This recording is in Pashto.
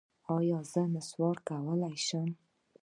ایا زه نسوار کولی شم؟